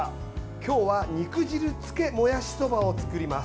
今日は肉汁つけもやしそばを作ります。